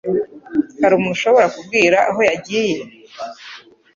Hari umuntu ushobora kumbwira aho yagiye?